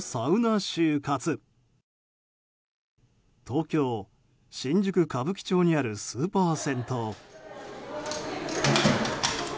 東京・新宿歌舞伎町にあるスーパー銭湯。